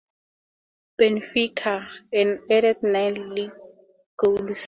Benfica, and added nine league goals.